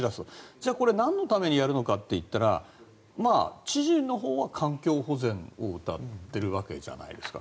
じゃあなんのためにやるのかといったら知事のほうは環境保全をうたってるわけじゃないですか。